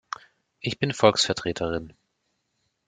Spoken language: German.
Ich bin Volksvertreterin.